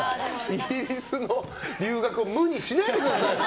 イギリスの留学を無にしないでください。